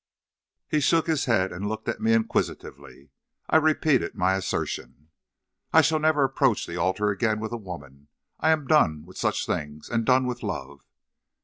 "He shook his head and looked at me inquisitively. I repeated my assertion. "'I shall never approach the altar again with a woman. I am done with such things, and done with love.'